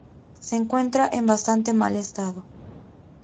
Se encuentran en bastante mal estado.